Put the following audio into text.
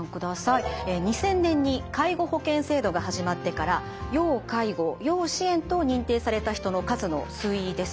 ２０００年に介護保険制度が始まってから要介護・要支援と認定された人の数の推移です。